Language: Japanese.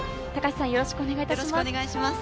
よろしくお願いします。